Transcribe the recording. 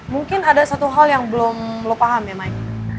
mungkin ada satu hal yang belum lo paham ya mai